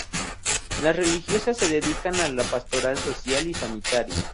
Las religiosas se dedican a la pastoral social y sanitaria.